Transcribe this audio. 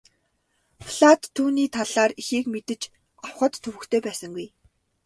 Платт түүний талаар ихийг мэдэж авахад төвөгтэй байсангүй.